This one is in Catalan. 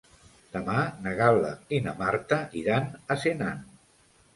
Demà na Gal·la i na Marta iran a Senan.